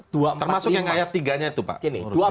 termasuk yang ayat tiga nya itu pak